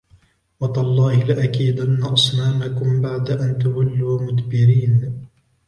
وتالله لأكيدن أصنامكم بعد أن تولوا مدبرين